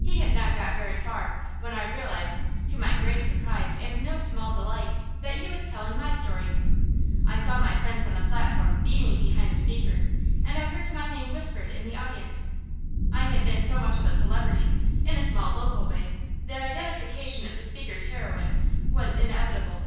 He had not got very far when I realized, to my great surprise and no small delight, that he was telling my story. I saw my friends on the platform beaming behind the speaker, and I heard my name whispered in the audience. I had been so much of a celebrity, in a small local way, that identification of the speaker's heroine was inevitable.